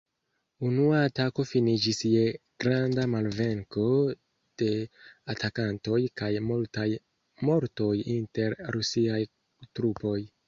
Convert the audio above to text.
Unua atako finiĝis je granda malvenko de atakantoj kaj multaj mortoj inter Rusiaj trupoj.